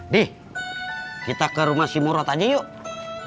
dih kita ke rumah si murot aja yuk